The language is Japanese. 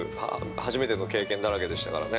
初めての経験だらけでしたからね。